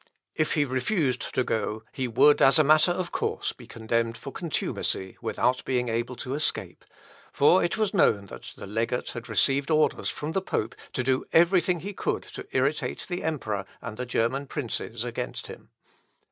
If he refused to go, he would, as a matter of course, be condemned for contumacy, without being able to escape; for it was known that the legate had received orders from the pope to do everything he could do to irritate the Emperor and the German princes against him.